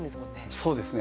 そうですね